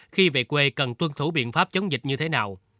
khi về quê cần tuân thủ biện pháp chống dịch như thế nào